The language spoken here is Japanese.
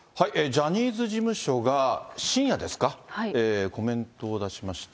ジャニーズ事務所が、深夜ですか、コメントを出しました。